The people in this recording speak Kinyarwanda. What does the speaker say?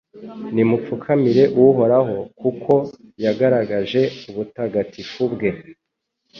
Nimupfukamire Uhoraho kuko yagaragaje ubutagatifu bwe